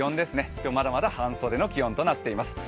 今日まだまだ半袖の気温となっています。